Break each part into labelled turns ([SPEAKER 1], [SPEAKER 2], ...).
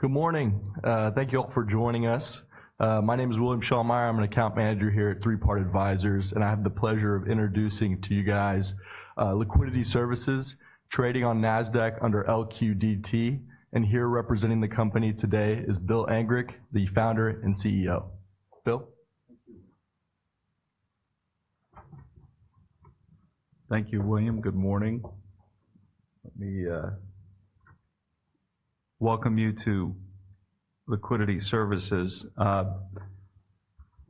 [SPEAKER 1] Good morning. Thank you all for joining us. My name is William Schallmeyer. I'm an account manager here at Three Part Advisors, and I have the pleasure of introducing to you guys, Liquidity Services, trading on Nasdaq under LQDT. And here representing the company today is Bill Angrick, the founder and CEO. Bill?
[SPEAKER 2] Thank you, William. Good morning. Let me welcome you to Liquidity Services.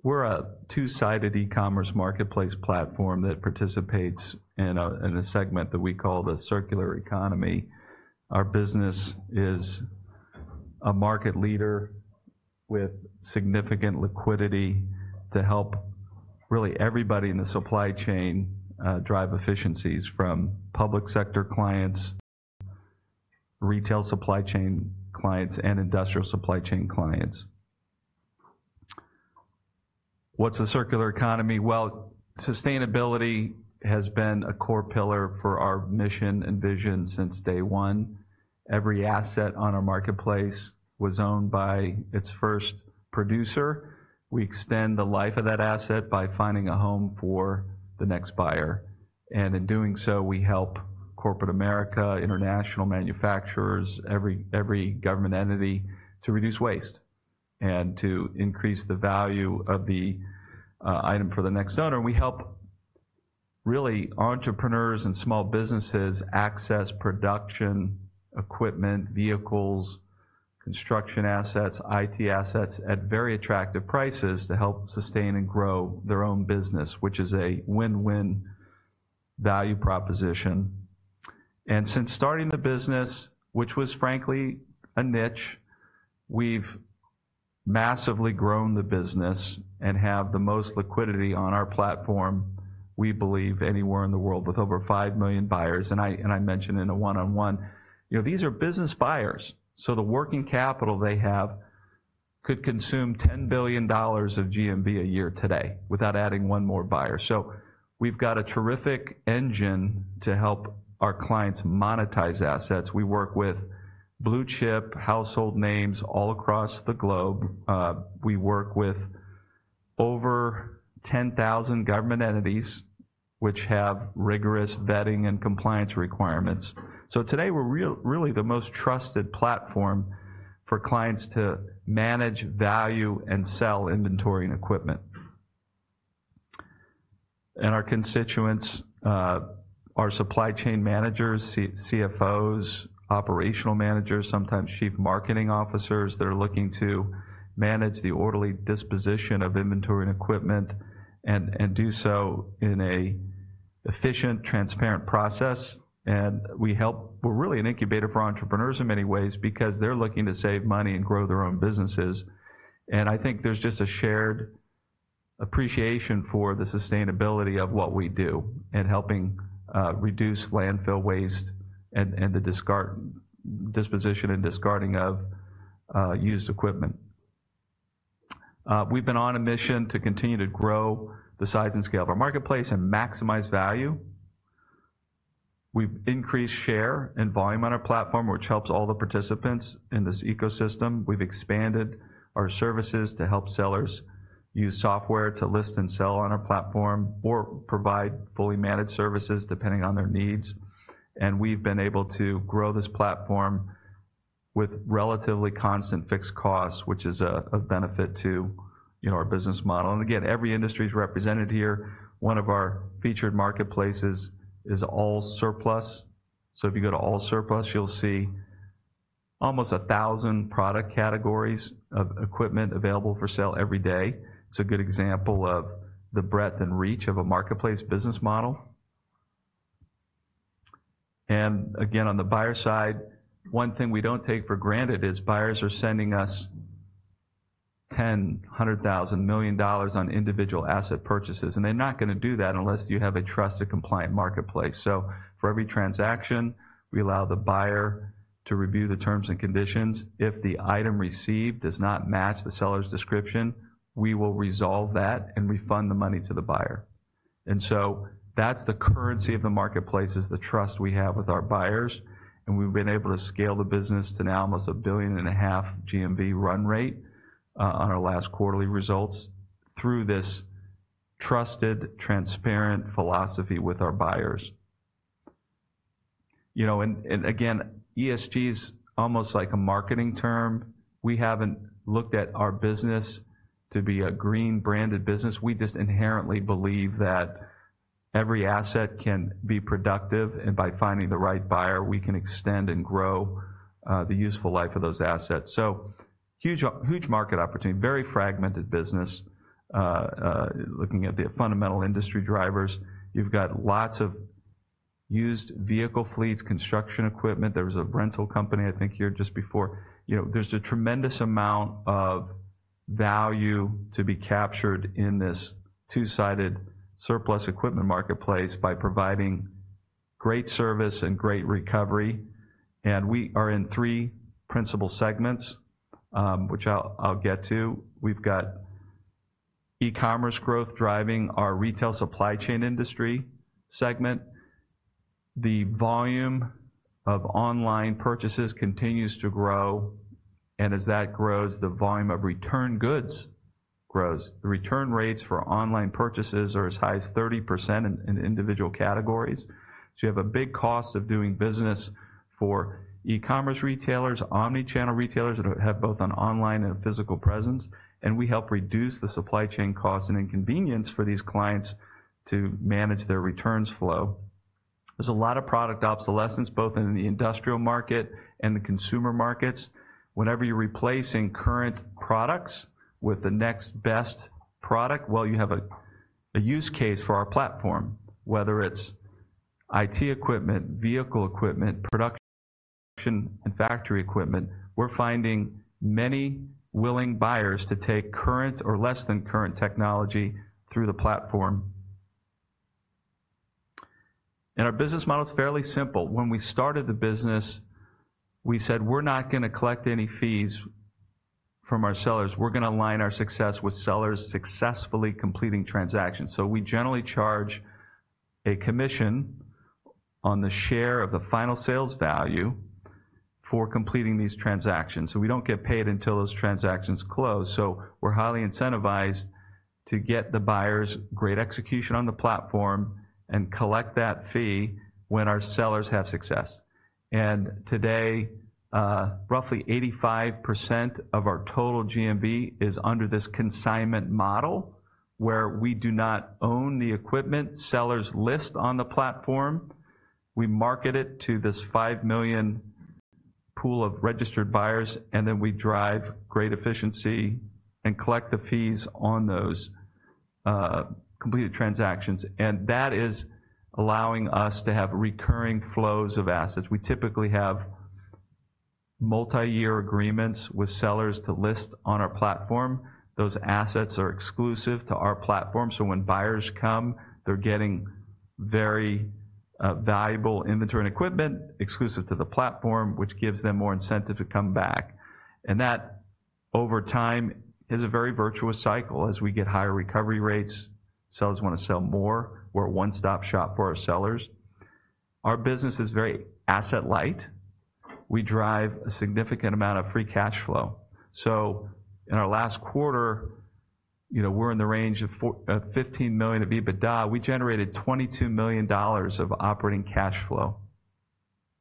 [SPEAKER 2] We're a two-sided e-commerce marketplace platform that participates in a segment that we call the circular economy. Our business is a market leader with significant liquidity to help really everybody in the supply chain drive efficiencies from public sector clients, retail supply chain clients, and industrial supply chain clients. What's a circular economy? Well, sustainability has been a core pillar for our mission and vision since day one. Every asset on our marketplace was owned by its first producer. We extend the life of that asset by finding a home for the next buyer, and in doing so, we help corporate America, international manufacturers, every government entity to reduce waste and to increase the value of the item for the next owner. We help really entrepreneurs and small businesses access production, equipment, vehicles, construction assets, IT assets at very attractive prices to help sustain and grow their own business, which is a win-win value proposition. And since starting the business, which was frankly a niche, we've massively grown the business and have the most liquidity on our platform, we believe, anywhere in the world, with over 5 million buyers. And I mentioned in the one-on-one, you know, these are business buyers, so the working capital they have could consume $10 billion of GMV a year today without adding one more buyer. So we've got a terrific engine to help our clients monetize assets. We work with blue-chip household names all across the globe. We work with over 10,000 government entities, which have rigorous vetting and compliance requirements. So today, we're really the most trusted platform for clients to manage, value, and sell inventory and equipment. And our constituents are supply chain managers, CFOs, operational managers, sometimes chief marketing officers that are looking to manage the orderly disposition of inventory and equipment and do so in an efficient, transparent process. And we help. We're really an incubator for entrepreneurs in many ways because they're looking to save money and grow their own businesses. And I think there's just a shared appreciation for the sustainability of what we do in helping reduce landfill waste and the disposition and discarding of used equipment. We've been on a mission to continue to grow the size and scale of our marketplace and maximize value. We've increased share and volume on our platform, which helps all the participants in this ecosystem. We've expanded our services to help sellers use software to list and sell on our platform or provide fully managed services, depending on their needs. We've been able to grow this platform with relatively constant fixed costs, which is a benefit to, you know, our business model. Every industry is represented here. One of our featured marketplaces is AllSurplus. So if you go to AllSurplus, you'll see almost 1,000 product categories of equipment available for sale every day. It's a good example of the breadth and reach of a marketplace business model. On the buyer side, one thing we don't take for granted is buyers are sending us $10, $100,000, $1 million on individual asset purchases, and they're not gonna do that unless you have a trusted, compliant marketplace. So for every transaction, we allow the buyer to review the terms and conditions. If the item received does not match the seller's description, we will resolve that and refund the money to the buyer. And so that's the currency of the marketplace, is the trust we have with our buyers, and we've been able to scale the business to now almost $1.5 billion GMV run rate on our last quarterly results through this trusted, transparent philosophy with our buyers. You know, and, and again, ESG is almost like a marketing term. We haven't looked at our business to be a green-branded business. We just inherently believe that every asset can be productive, and by finding the right buyer, we can extend and grow the useful life of those assets. Huge market opportunity, very fragmented business. Looking at the fundamental industry drivers, you've got lots of used vehicle fleets, construction equipment. There was a rental company, I think, here just before. You know, there's a tremendous amount of value to be captured in this two-sided surplus equipment marketplace by providing great service and great recovery. And we are in three principal segments, which I'll get to. We've got e-commerce growth driving our retail supply chain industry segment. The volume of online purchases continues to grow, and as that grows, the volume of returned goods grows. The return rates for online purchases are as high as 30% in individual categories. So you have a big cost of doing business for e-commerce retailers, omni-channel retailers that have both an online and a physical presence, and we help reduce the supply chain costs and inconvenience for these clients to manage their returns flow. There's a lot of product obsolescence, both in the industrial market and the consumer markets. Whenever you're replacing current products with the next best product, well, you have a use case for our platform, whether it's IT equipment, vehicle equipment, production, and factory equipment. We're finding many willing buyers to take current or less than current technology through the platform, and our business model is fairly simple. When we started the business, we said: We're not gonna collect any fees from our sellers. We're gonna align our success with sellers successfully completing transactions, so we generally charge a commission on the share of the final sales value for completing these transactions, so we don't get paid until those transactions close. We're highly incentivized to get the buyers great execution on the platform and collect that fee when our sellers have success. Today, roughly 85% of our total GMV is under this consignment model, where we do not own the equipment. Sellers list on the platform. We market it to this five million pool of registered buyers, and then we drive great efficiency and collect the fees on those completed transactions, and that is allowing us to have recurring flows of assets. We typically have multiyear agreements with sellers to list on our platform. Those assets are exclusive to our platform, so when buyers come, they're getting very valuable inventory and equipment exclusive to the platform, which gives them more incentive to come back. And that, over time, is a very virtuous cycle. As we get higher recovery rates, sellers want to sell more. We're a one-stop shop for our sellers. Our business is very asset light. We drive a significant amount of free cash flow. So in our last quarter, you know, we're in the range of $4-$15 million of EBITDA. We generated $22 million of operating cash flow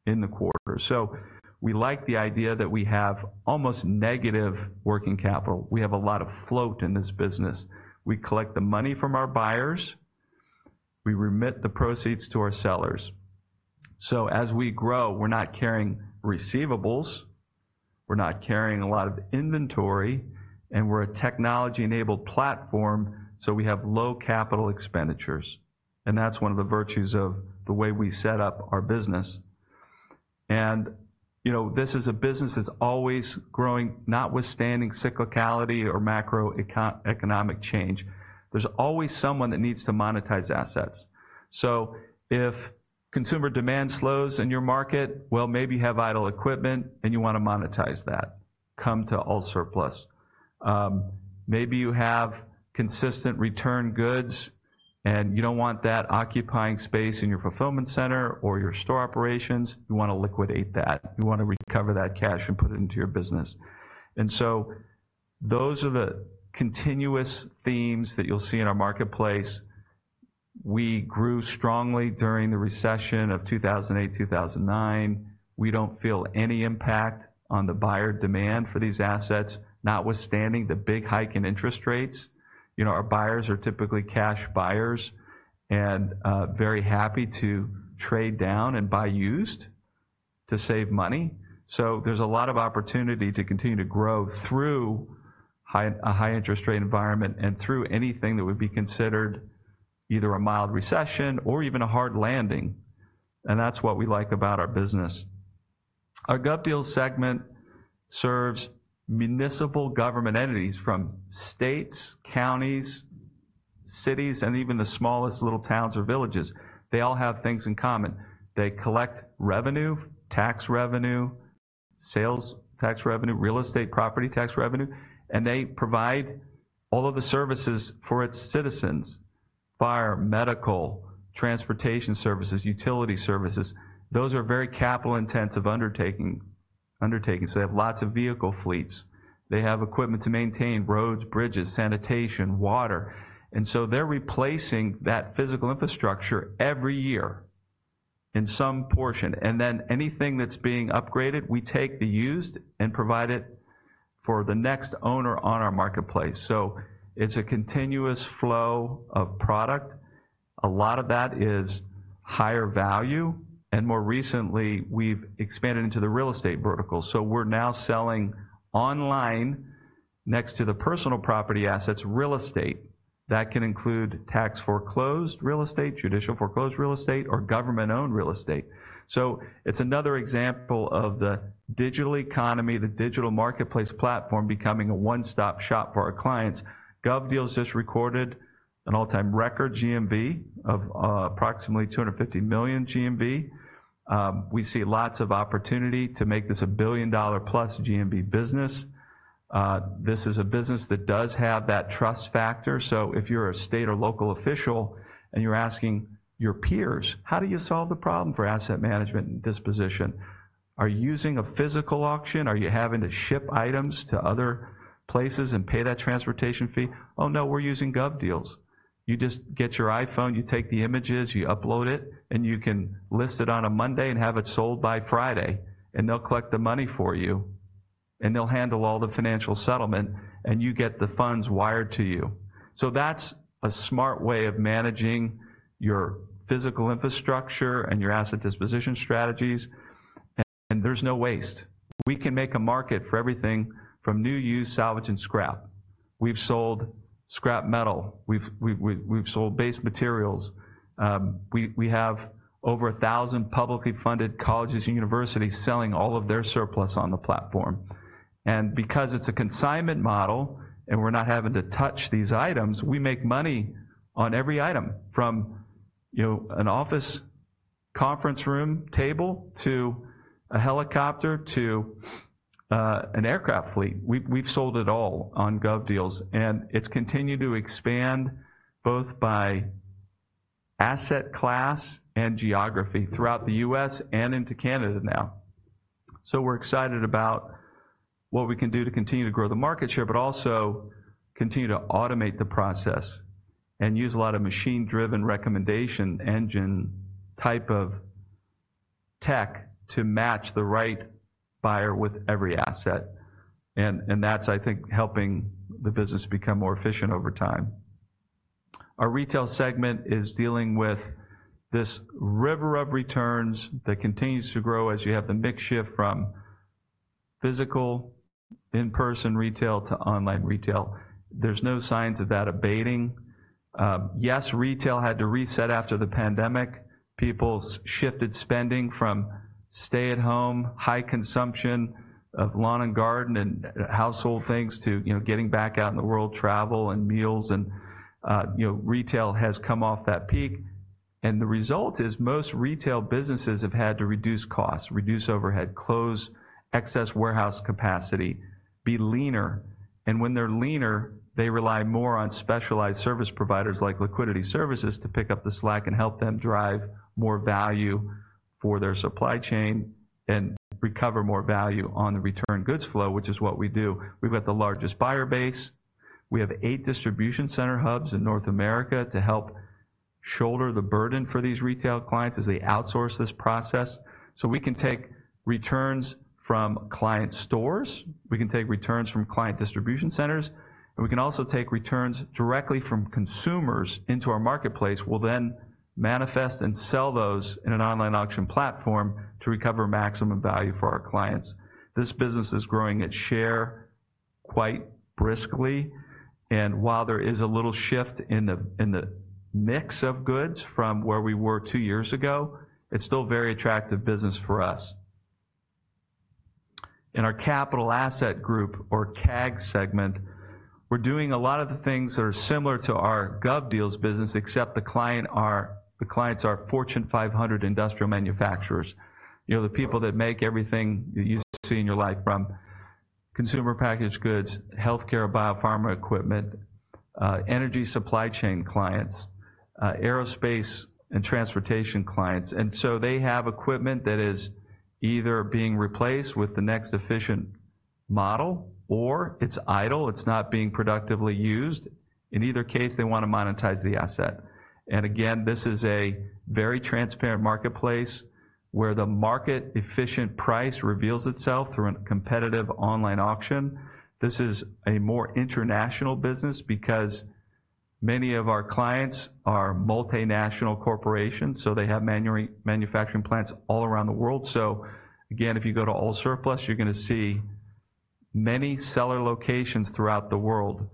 [SPEAKER 2] in the quarter. So we like the idea that we have almost negative working capital. We have a lot of float in this business. We collect the money from our buyers, we remit the proceeds to our sellers. So as we grow, we're not carrying receivables, we're not carrying a lot of inventory, and we're a technology-enabled platform, so we have low capital expenditures, and that's one of the virtues of the way we set up our business. And, you know, this is a business that's always growing, notwithstanding cyclicality or macroeconomic change. There's always someone that needs to monetize assets. So if consumer demand slows in your market, well, maybe you have idle equipment, and you want to monetize that. Come to AllSurplus. Maybe you have consistent returned goods, and you don't want that occupying space in your fulfillment center or your store operations. You want to liquidate that. You want to recover that cash and put it into your business. And so those are the continuous themes that you'll see in our marketplace. We grew strongly during the recession of 2008 and 2009. We don't feel any impact on the buyer demand for these assets, notwithstanding the big hike in interest rates. You know, our buyers are typically cash buyers and very happy to trade down and buy used to save money. There's a lot of opportunity to continue to grow through a high interest rate environment and through anything that would be considered either a mild recession or even a hard landing, and that's what we like about our business. Our GovDeals segment serves municipal government entities from states, counties, cities, and even the smallest little towns or villages. They all have things in common. They collect revenue, tax revenue, sales tax revenue, real estate property tax revenue, and they provide all of the services for its citizens: fire, medical, transportation services, utility services. Those are very capital-intensive undertakings. They have lots of vehicle fleets. They have equipment to maintain roads, bridges, sanitation, water, and so they're replacing that physical infrastructure every year in some portion. And then anything that's being upgraded, we take the used and provide it for the next owner on our marketplace. So it's a continuous flow of product. A lot of that is higher value, and more recently, we've expanded into the real estate vertical, so we're now selling online, next to the personal property assets, real estate. That can include tax foreclosed real estate, judicial foreclosed real estate, or government-owned real estate. So it's another example of the digital economy, the digital marketplace platform, becoming a one-stop shop for our clients. GovDeals just recorded an all-time record GMV of approximately $250 million GMV. We see lots of opportunity to make this a $1 billion-plus GMV business. This is a business that does have that trust factor, so if you're a state or local official and you're asking your peers: "How do you solve the problem for asset management and disposition? Are you using a physical auction? Are you having to ship items to other places and pay that transportation fee?" "Oh, no, we're using GovDeals." You just get your iPhone, you take the images, you upload it, and you can list it on a Monday and have it sold by Friday, and they'll collect the money for you, and they'll handle all the financial settlement, and you get the funds wired to you. So that's a smart way of managing your physical infrastructure and your asset disposition strategies, and there's no waste. We can make a market for everything from new, used, salvage, and scrap. We've sold scrap metal. We've sold base materials. We have over a thousand publicly funded colleges and universities selling all of their surplus on the platform. And because it's a consignment model and we're not having to touch these items, we make money on every item from, you know, an office conference room table to a helicopter, to an aircraft fleet. We've sold it all on GovDeals, and it's continued to expand both by asset class and geography throughout the US and into Canada now. So we're excited about what we can do to continue to grow the market share, but also continue to automate the process and use a lot of machine-driven recommendation engine type of tech to match the right buyer with every asset. And that's, I think, helping the business become more efficient over time. Our retail segment is dealing with this river of returns that continues to grow as you have the mix shift from physical, in-person retail to online retail. There's no signs of that abating. Yes, retail had to reset after the pandemic. People shifted spending from stay-at-home, high consumption of lawn and garden and household things to, you know, getting back out in the world, travel and meals, and, you know, retail has come off that peak, and the result is most retail businesses have had to reduce costs, reduce overhead, close excess warehouse capacity, be leaner. And when they're leaner, they rely more on specialized service providers like Liquidity Services to pick up the slack and help them drive more value for their supply chain and recover more value on the return goods flow, which is what we do. We've got the largest buyer base. We have eight distribution center hubs in North America to help shoulder the burden for these retail clients as they outsource this process. So we can take returns from client stores, we can take returns from client distribution centers, and we can also take returns directly from consumers into our marketplace. We'll then manifest and sell those in an online auction platform to recover maximum value for our clients. This business is growing its share quite briskly, and while there is a little shift in the mix of goods from where we were two years ago, it's still a very attractive business for us. In our Capital Assets Group or CAG segment, we're doing a lot of the things that are similar to our GovDeals business, except the clients are Fortune 500 industrial manufacturers. You know, the people that make everything that you see in your life, from consumer packaged goods, healthcare, biopharma equipment, energy supply chain clients, aerospace and transportation clients. And so they have equipment that is either being replaced with the next efficient model or it's idle, it's not being productively used. In either case, they want to monetize the asset. And again, this is a very transparent marketplace where the market-efficient price reveals itself through a competitive online auction. This is a more international business because many of our clients are multinational corporations, so they have manufacturing plants all around the world. So again, if you go to AllSurplus, you're gonna see many seller locations throughout the world,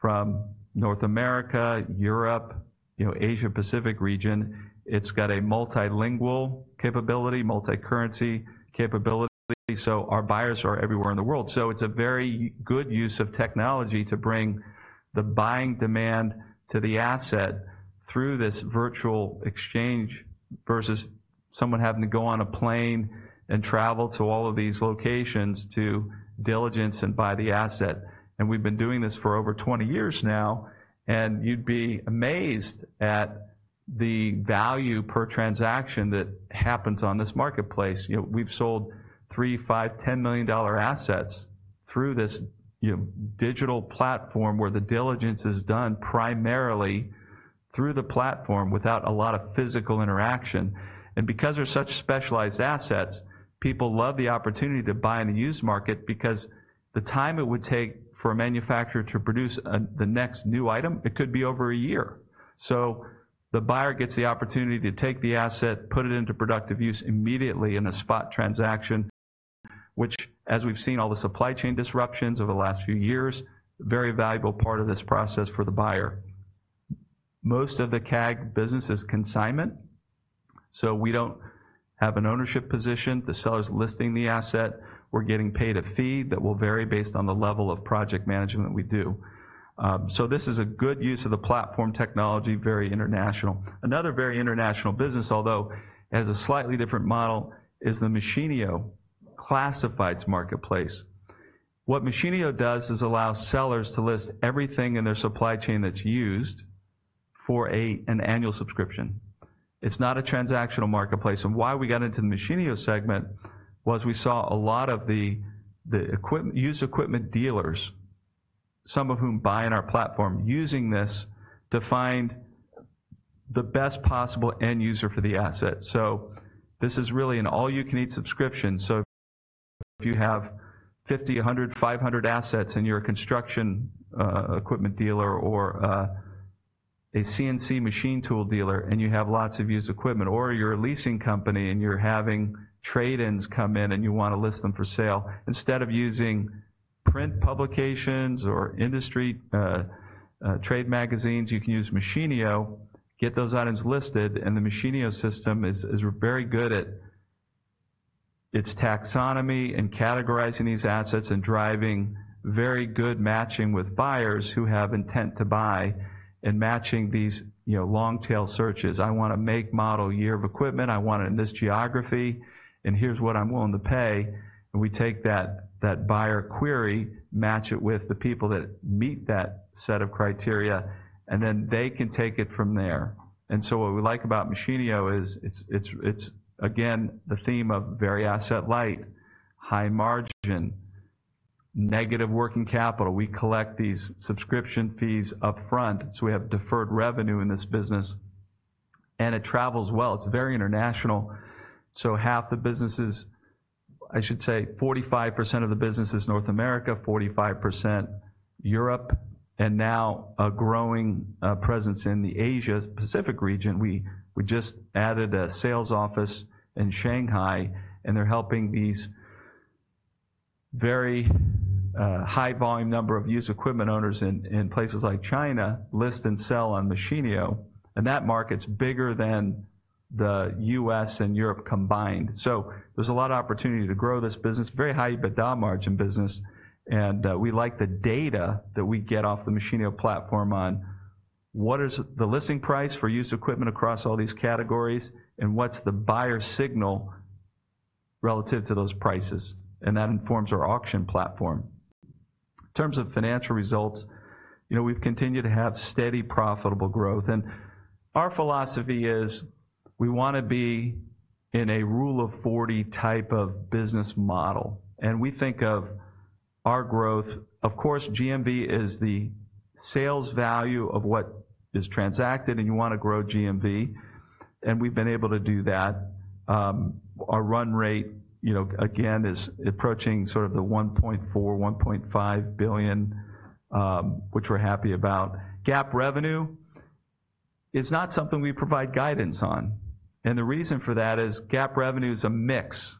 [SPEAKER 2] from North America, Europe, you know, Asia Pacific region. It's got a multilingual capability, multicurrency capability, so our buyers are everywhere in the world. It's a very good use of technology to bring the buying demand to the asset through this virtual exchange, versus someone having to go on a plane and travel to all of these locations to diligence and buy the asset. We've been doing this for over 20 years now, and you'd be amazed at the value per transaction that happens on this marketplace. You know, we've sold three, five, 10 million-dollar assets through this digital platform, where the diligence is done primarily through the platform without a lot of physical interaction. Because they're such specialized assets, people love the opportunity to buy in the used market because the time it would take for a manufacturer to produce the next new item, it could be over a year. The buyer gets the opportunity to take the asset, put it into productive use immediately in a spot transaction, which, as we've seen, all the supply chain disruptions over the last few years, very valuable part of this process for the buyer. Most of the CAG business is consignment, so we don't have an ownership position. The seller's listing the asset. We're getting paid a fee that will vary based on the level of project management that we do. This is a good use of the platform technology, very international. Another very international business, although it has a slightly different model, is the Machinio classifieds marketplace. What Machinio does is allow sellers to list everything in their supply chain that's used for an annual subscription. It's not a transactional marketplace, and why we got into the Machinio segment was we saw a lot of the used equipment dealers, some of whom buy in our platform, using this to find the best possible end user for the asset. So this is really an all-you-can-eat subscription. So if you have 50, 100, 500 assets, and you're a construction equipment dealer or a CNC machine tool dealer, and you have lots of used equipment, or you're a leasing company, and you're having trade-ins come in, and you wanna list them for sale, instead of using print publications or industry trade magazines, you can use Machinio, get those items listed, and the Machinio system is very good at its taxonomy and categorizing these assets and driving very good matching with buyers who have intent to buy and matching these, you know, long-tail searches. I want to make, model, year of equipment. I want it in this geography, and here's what I'm willing to pay. And we take that buyer query, match it with the people that meet that set of criteria, and then they can take it from there. And so what we like about Machinio is it's again the theme of very asset light, high margin, negative working capital. We collect these subscription fees upfront, so we have deferred revenue in this business, and it travels well. It's very international, so half the business is... I should say 45% of the business is North America, 45% Europe, and now a growing presence in the Asia Pacific region. We just added a sales office in Shanghai, and they're helping these very high volume number of used equipment owners in places like China list and sell on Machinio, and that market's bigger than the US and Europe combined. So there's a lot of opportunity to grow this business. Very high EBITDA margin business, and we like the data that we get off the Machinio platform on what is the listing price for used equipment across all these categories and what's the buyer signal relative to those prices, and that informs our auction platform. In terms of financial results, you know, we've continued to have steady, profitable growth, and our philosophy is we wanna be in a Rule of 40 type of business model, and we think of our growth... Of course, GMV is the sales value of what is transacted, and you wanna grow GMV, and we've been able to do that. Our run rate, you know, again, is approaching sort of the $1.4-$1.5 billion, which we're happy about. GAAP revenue is not something we provide guidance on, and the reason for that is GAAP revenue is a mix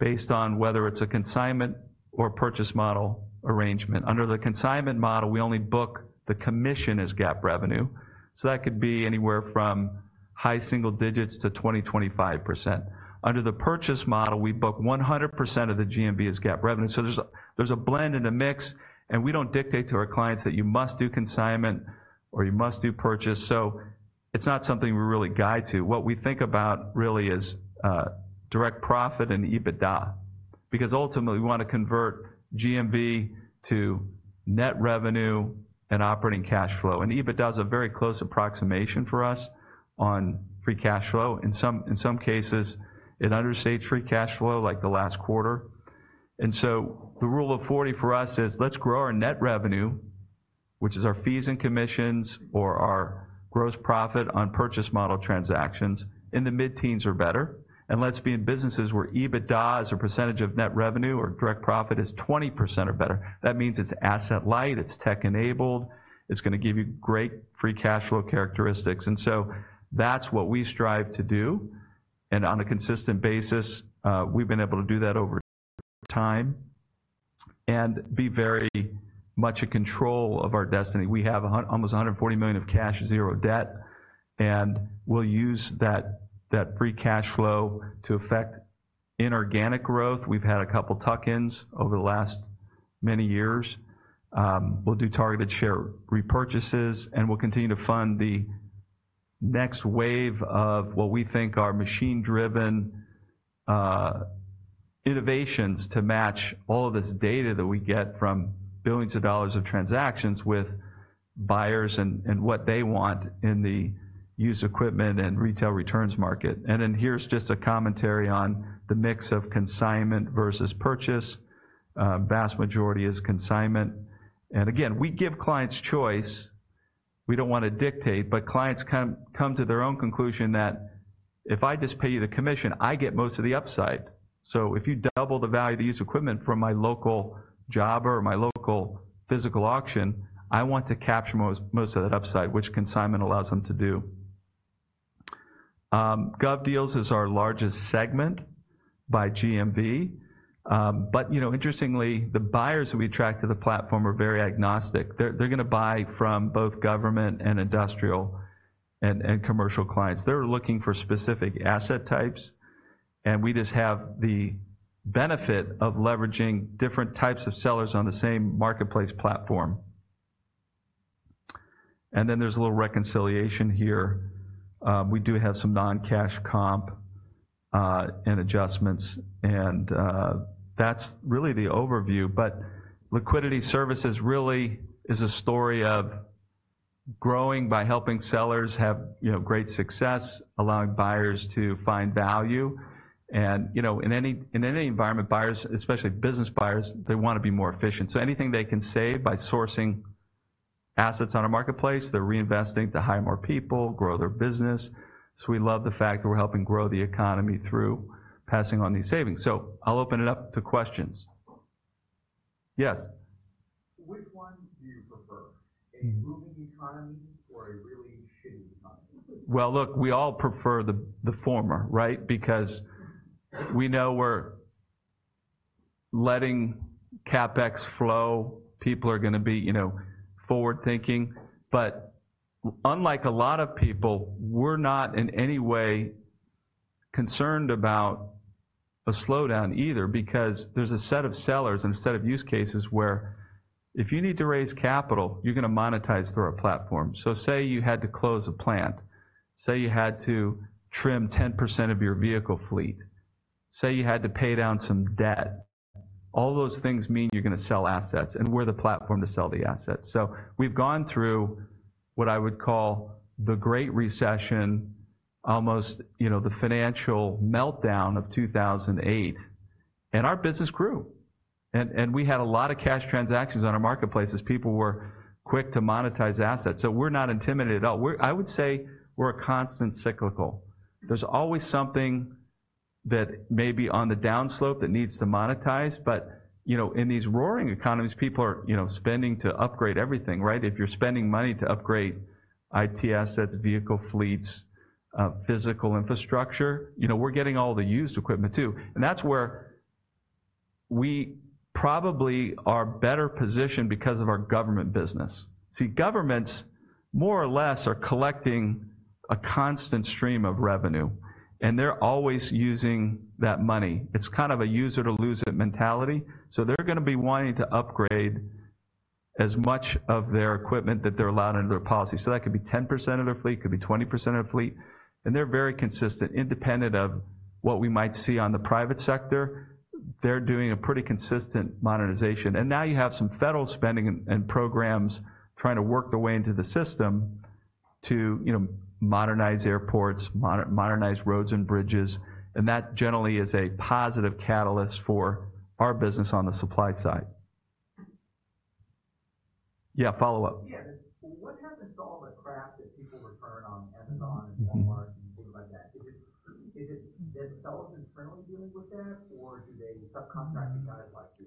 [SPEAKER 2] based on whether it's a consignment or purchase model arrangement. Under the consignment model, we only book the commission as GAAP revenue, so that could be anywhere from high single digits to 20-25%. Under the purchase model, we book 100% of the GMV as GAAP revenue. So there's a, there's a blend and a mix, and we don't dictate to our clients that you must do consignment or you must do purchase, so it's not something we really guide to. What we think about really is direct profit and EBITDA, because ultimately, we want to convert GMV to net revenue and operating cash flow, and EBITDA is a very close approximation for us on free cash flow. In some cases, it understates free cash flow, like the last quarter, and so the Rule of 40 for us is, let's grow our net revenue, which is our fees and commissions or our gross profit on purchase model transactions, in the mid-teens or better, and let's be in businesses where EBITDA as a percentage of net revenue or direct profit is 20% or better. That means it's asset light, it's tech-enabled, it's gonna give you great free cash flow characteristics, and so that's what we strive to do, and on a consistent basis, we've been able to do that over time and be very much in control of our destiny. We have almost $140 million of cash, zero debt, and we'll use that free cash flow to effect inorganic growth. We've had a couple tuck-ins over the last many years. We'll do targeted share repurchases, and we'll continue to fund the next wave of what we think are machine-driven innovations to match all of this data that we get from billions of dollars of transactions with buyers and what they want in the used equipment and retail returns market. Then here's just a commentary on the mix of consignment versus purchase. The vast majority is consignment, and again, we give clients choice. We don't want to dictate, but clients come to their own conclusion that if I just pay you the commission, I get most of the upside. So if you double the value of the used equipment from my local job or my local physical auction, I want to capture most of that upside, which consignment allows them to do. GovDeals is our largest segment by GMV, but you know, interestingly, the buyers that we attract to the platform are very agnostic. They're gonna buy from both government and industrial and commercial clients. They're looking for specific asset types, and we just have the benefit of leveraging different types of sellers on the same marketplace platform. And then there's a little reconciliation here. We do have some non-cash comp and adjustments, and that's really the overview. But Liquidity Services really is a story of growing by helping sellers have, you know, great success, allowing buyers to find value. And, you know, in any environment, buyers, especially business buyers, they wanna be more efficient. So anything they can save by sourcing assets on a marketplace, they're reinvesting to hire more people, grow their business. So we love the fact that we're helping grow the economy through passing on these savings. So I'll open it up to questions. Yes? Which one do you prefer, a moving economy or a really shitty economy? Well, look, we all prefer the former, right? Because we know we're letting CapEx flow, people are gonna be, you know, forward-thinking. But unlike a lot of people, we're not in any way concerned about a slowdown either, because there's a set of sellers and a set of use cases where if you need to raise capital, you're gonna monetize through our platform. So say you had to close a plant, say you had to trim 10% of your vehicle fleet, say you had to pay down some debt, all those things mean you're gonna sell assets, and we're the platform to sell the assets. So we've gone through what I would call the Great Recession, almost, you know, the financial meltdown of 2008, and our business grew, and we had a lot of cash transactions on our marketplace as people were quick to monetize assets. We're not intimidated at all. We're. I would say we're a counter-cyclical. There's always something that may be on the downslope that needs to monetize, but, you know, in these roaring economies, people are, you know, spending to upgrade everything, right? If you're spending money to upgrade IT assets, vehicle fleets, physical infrastructure, you know, we're getting all the used equipment, too, and that's where we probably are better positioned because of our government business. See, governments, more or less, are collecting a constant stream of revenue, and they're always using that money. It's kind of a use it or lose it mentality. So they're gonna be wanting to upgrade as much of their equipment that they're allowed under their policy. So that could be 10% of their fleet, it could be 20% of their fleet, and they're very consistent. Independent of what we might see on the private sector, they're doing a pretty consistent monetization. And now you have some federal spending and programs trying to work their way into the system to, you know, modernize airports, modernize roads and bridges, and that generally is a positive catalyst for our business on the supply side. Yeah, follow up. Yeah. What happens to all the crap that people return on Amazon and Walmart and things like that? Do sellers internally deal with that, or do they subcontract the guys like you?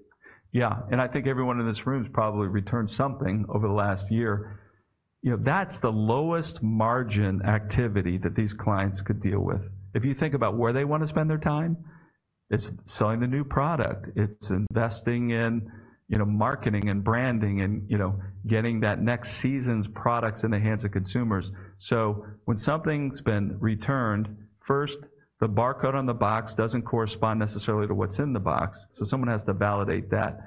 [SPEAKER 2] Yeah, and I think everyone in this room has probably returned something over the last year. You know, that's the lowest margin activity that these clients could deal with. If you think about where they wanna spend their time, it's selling the new product. It's investing in, you know, marketing and branding and, you know, getting that next season's products in the hands of consumers. So when something's been returned, first, the barcode on the box doesn't correspond necessarily to what's in the box, so someone has to validate that.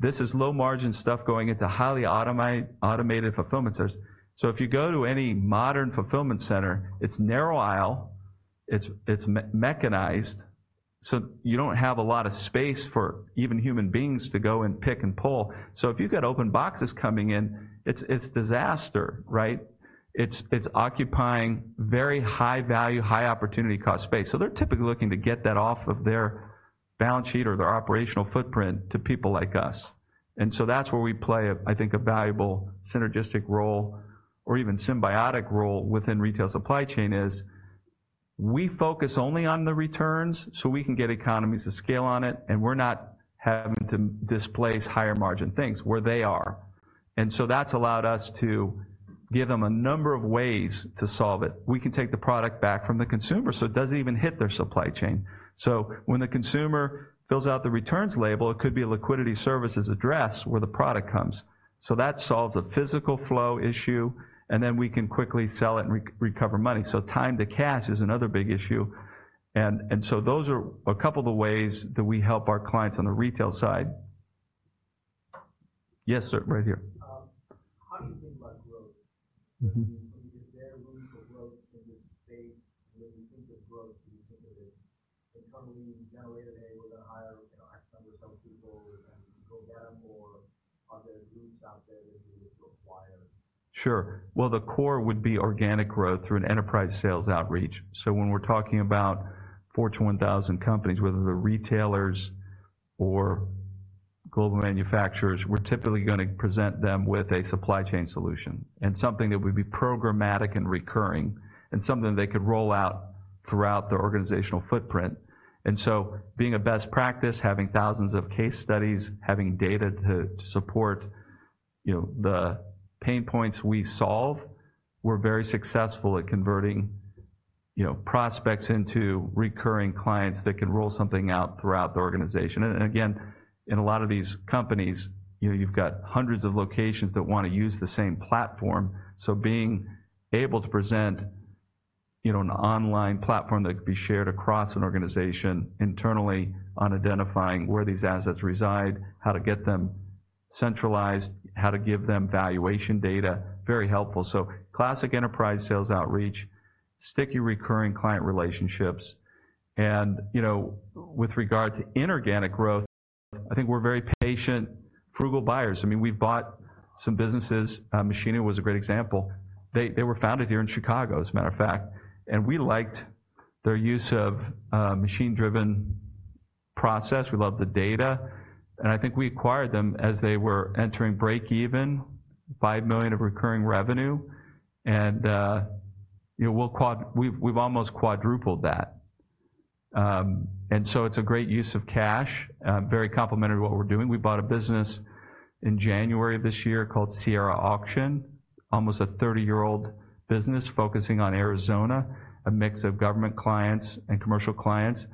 [SPEAKER 2] This is low-margin stuff going into highly automated fulfillment centers. So if you go to any modern fulfillment center, it's narrow aisle, it's mechanized, so you don't have a lot of space for even human beings to go and pick and pull. So if you've got open boxes coming in, it's disaster, right? It's occupying very high value, high opportunity cost space. So they're typically looking to get that off of their balance sheet or their operational footprint to people like us, and so that's where we play, I think, a valuable synergistic role or even symbiotic role within retail supply chain. We focus only on the returns, so we can get economies of scale on it, and we're not having to displace higher margin things where they are. That's allowed us to give them a number of ways to solve it. We can take the product back from the consumer, so it doesn't even hit their supply chain. So when the consumer fills out the returns label, it could be a Liquidity Services address where the product comes. So that solves a physical flow issue, and then we can quickly sell it and recover money. Time to cash is another big issue, and so those are a couple of the ways that we help our clients on the retail side. Yes, sir, right here. How do you think about growth? Mm-hmm. I mean, is there room for growth in this space? When we think of growth, we think of it, the company generated A with a higher, you know, X number of people and go down, or are there groups out there that you would require? Sure, well, the core would be organic growth through an enterprise sales outreach. So when we're talking about Fortune 1000 companies, whether they're retailers or global manufacturers, we're typically gonna present them with a supply chain solution and something that would be programmatic and recurring and something they could roll out throughout their organizational footprint. And so being a best practice, having thousands of case studies, having data to support, you know, the pain points we solve, we're very successful at converting, you know, prospects into recurring clients that can roll something out throughout the organization. And again, in a lot of these companies, you know, you've got hundreds of locations that wanna use the same platform, so being able to present, you know, an online platform that could be shared across an organization internally on identifying where these assets reside, how to get them centralized, how to give them valuation data. Very helpful. So classic enterprise sales outreach, sticky recurring client relationships. And, you know, with regard to inorganic growth, I think we're very patient, frugal buyers. I mean, we've bought some businesses. Machinio was a great example. They were founded here in Chicago, as a matter of fact, and we liked their use of machine-driven process. We loved the data, and I think we acquired them as they were entering break even, five million of recurring revenue, and, you know, we've almost quadrupled that. And so it's a great use of cash, very complementary to what we're doing. We bought a business in January of this year called Sierra Auction, almost a thirty-year-old business focusing on Arizona, a mix of government clients and commercial clients.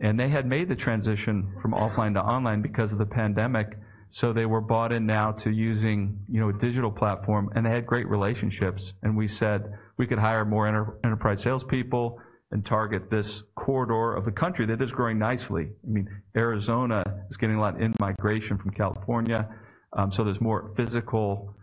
[SPEAKER 2] And they had made the transition from offline to online because of the pandemic, so they were bought in now to using, you know, a digital platform, and they had great relationships. And we said we could hire more enterprise salespeople and target this corridor of the country that is growing nicely. I mean, Arizona is getting a lot in migration from California, so there's more physical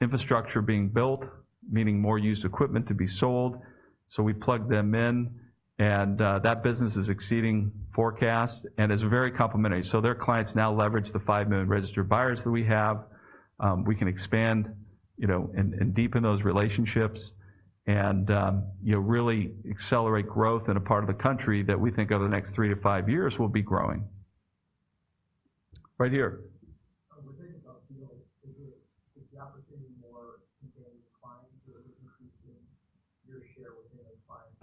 [SPEAKER 2] infrastructure being built, meaning more used equipment to be sold. So we plugged them in, and that business is exceeding forecast and is very complementary. Their clients now leverage the five million registered buyers that we have. We can expand, you know, and deepen those relationships and, you know, really accelerate growth in a part of the country that we think over the next three to five years will be growing. Right here.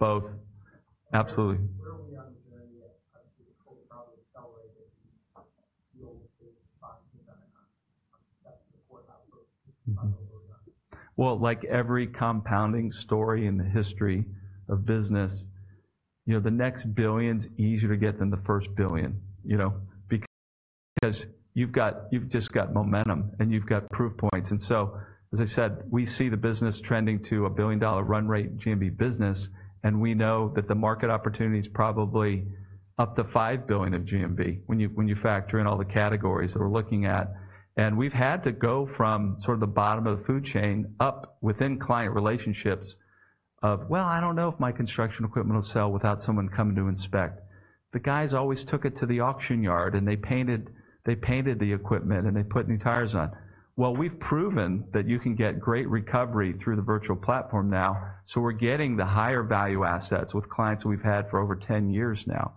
[SPEAKER 2] With the opportunity more contained clients or increasing your share within the client? Both. Absolutely. Where are we on the journey of total profit accelerated yield in five to 10 years? That's the core outlook. Mm-hmm. Well, like every compounding story in the history of business, you know, the next billion's easier to get than the first billion, you know, because you've just got momentum, and you've got proof points. And so, as I said, we see the business trending to a billion-dollar run rate in GMV business, and we know that the market opportunity is probably up to five billion of GMV when you factor in all the categories that we're looking at. And we've had to go from sort of the bottom of the food chain up within client relationships of, "Well, I don't know if my construction equipment will sell without someone coming to inspect." The guys always took it to the auction yard, and they painted the equipment, and they put new tires on. We've proven that you can get great recovery through the virtual platform now, so we're getting the higher value assets with clients we've had for over 10 years now.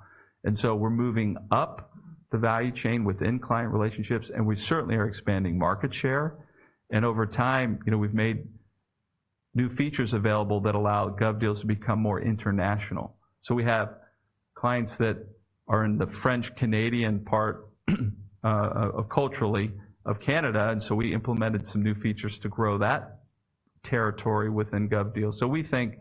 [SPEAKER 2] So we're moving up the value chain within client relationships, and we certainly are expanding market share. Over time, you know, we've made new features available that allow GovDeals to become more international. We have clients that are in the French-Canadian part, culturally, of Canada, and so we implemented some new features to grow that territory within GovDeals. We think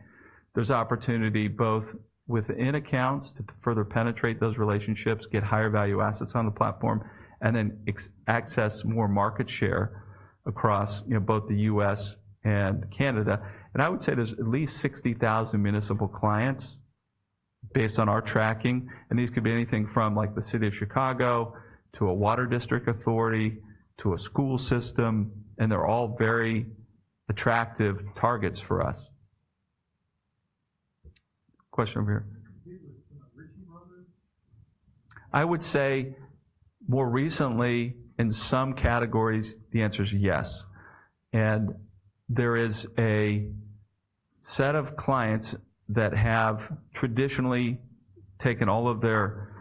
[SPEAKER 2] there's opportunity both within accounts to further penetrate those relationships, get higher value assets on the platform, and then access more market share across, you know, both the U.S. and Canada. And I would say there's at least 60,000 municipal clients based on our tracking, and these could be anything from, like, the City of Chicago to a water district authority to a school system, and they're all very attractive targets for us. Question over here. I would say more recently, in some categories, the answer is yes. And there is a set of clients that have traditionally taken all of their,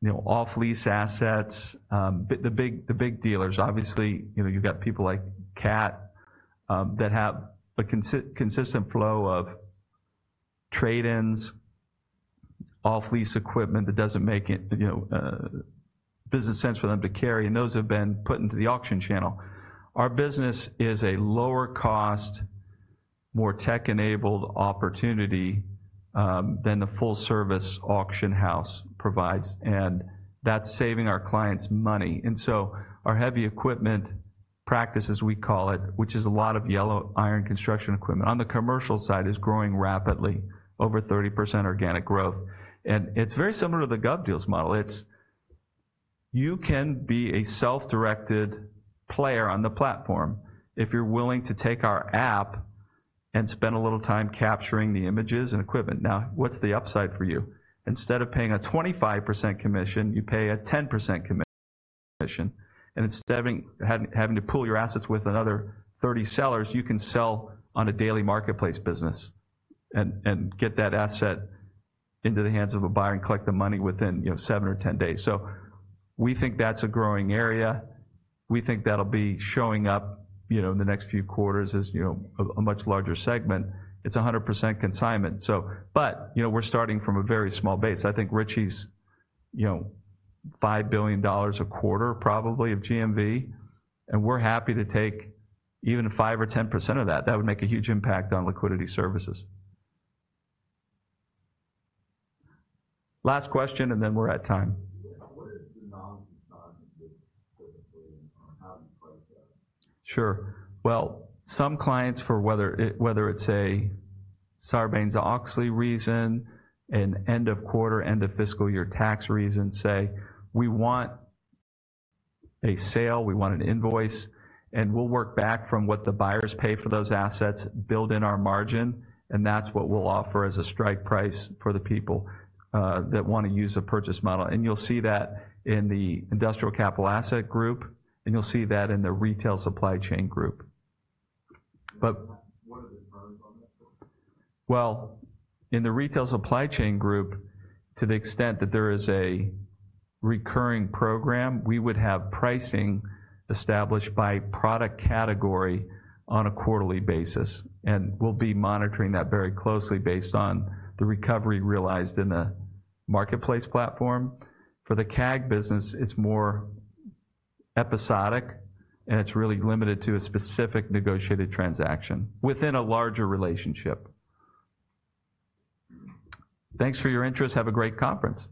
[SPEAKER 2] you know, off-lease assets. The big dealers, obviously, you know, you've got people like Cat that have a consistent flow of trade-ins, off-lease equipment that doesn't make it, you know, business sense for them to carry, and those have been put into the auction channel. Our business is a lower cost, more tech-enabled opportunity than the full-service auction house provides, and that's saving our clients money. And so our heavy equipment practice, as we call it, which is a lot of yellow iron construction equipment, on the commercial side, is growing rapidly, over 30% organic growth. And it's very similar to the GovDeals model. It's... You can be a self-directed player on the platform if you're willing to take our app and spend a little time capturing the images and equipment. Now, what's the upside for you? Instead of paying a 25% commission, you pay a 10% commission. And instead of having to pool your assets with another 30 sellers, you can sell on a daily marketplace business and get that asset into the hands of a buyer and collect the money within, you know, 7 or 10 days. So we think that's a growing area. We think that'll be showing up, you know, in the next few quarters as, you know, a much larger segment. It's 100% consignment, so. But, you know, we're starting from a very small base. I think Ritchie's, you know, $5 billion a quarter, probably, of GMV, and we're happy to take even 5% or 10% of that. That would make a huge impact on Liquidity Services. Last question, and then we're at time. What is the non-consignment, or how do you price that? Sure. Well, some clients for whether it, whether it's a Sarbanes-Oxley reason, an end-of-quarter, end-of-fiscal year tax reason, say, "We want a sale, we want an invoice," and we'll work back from what the buyers pay for those assets, build in our margin, and that's what we'll offer as a strike price for the people that want to use a purchase model. And you'll see that in the industrial capital asset group, and you'll see that in the Retail Supply Chain Group. But- What are the terms on that? In the Retail Supply Chain Group, to the extent that there is a recurring program, we would have pricing established by product category on a quarterly basis, and we'll be monitoring that very closely based on the recovery realized in the marketplace platform. For the CAG business, it's more episodic, and it's really limited to a specific negotiated transaction within a larger relationship. Thanks for your interest. Have a great conference.